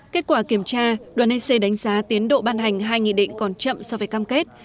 kết quả kiểm tra đoàn ec đánh giá tiến độ ban hành hai nghị định còn chậm so với cam kết